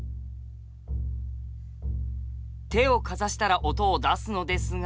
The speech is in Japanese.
手をかざしたら音を出すのですが。